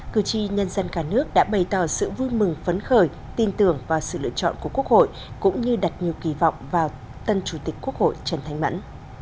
cử tri nhân dân cả nước đã bày tỏ sự vui mừng phấn khởi tin tưởng vào sự lựa chọn của quốc hội cũng như đặt nhiều kỳ vọng vào tân chủ tịch quốc hội trần thanh mẫn